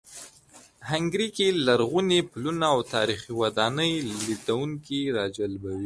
هنګري کې لرغوني پلونه او تاریخي ودانۍ لیدونکي راجلبوي.